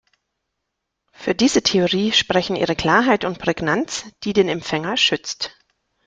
Für diese Theorie sprechen ihre Klarheit und Prägnanz, die den Empfänger schützt.